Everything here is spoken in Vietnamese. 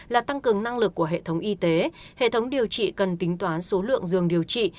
là tăng cường năng lực của hệ thống y tế hệ thống điều trị cần tính toán số lượng giường điều trị